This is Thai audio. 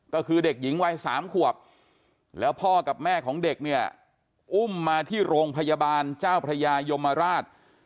ก็คือเด็กหญิงวัย๓ขวบแล้วพ่อกับแม่ของเด็กเนี่ยอุ้มมาที่โรงพยาบาลเจ้าพระยายมราช